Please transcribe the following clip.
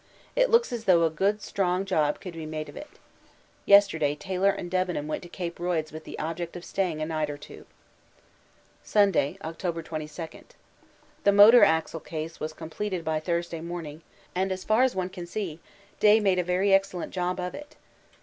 It looks as though a good strong job could be made of it. Yesterday Taylor and Debenham went to Cape Royds with the object of staying a night or two. Sunday, October 22. The motor axle case was completed by Thursday morning, and, as far as one can see, Day made a very excellent job of it.